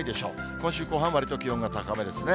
今週後半、わりと気温高めですね。